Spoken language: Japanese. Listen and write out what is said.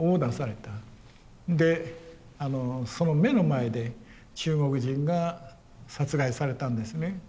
でその目の前で中国人が殺害されたんですね。